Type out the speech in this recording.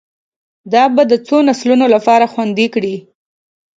دا به د څو نسلونو لپاره خوندي کړي